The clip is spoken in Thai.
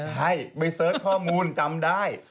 ใช่ไปเสิร์ชข้อมูลจำได้